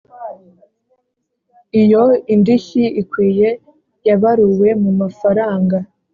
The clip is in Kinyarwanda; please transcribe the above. Iyo indishyi ikwiye yabaruwe mu mafaranga